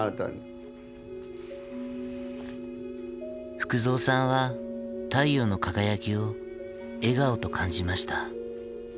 福蔵さんは太陽の輝きを笑顔と感じました。